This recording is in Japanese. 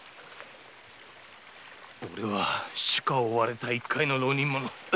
俺は主家を追われた一介の浪人者。